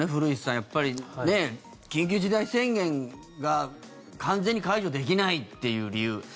やっぱり緊急事態宣言が完全に解除できないという理由。